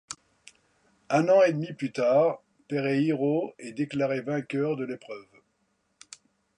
Un an et demi plus tard, Pereiro est déclaré vainqueur de l'épreuve.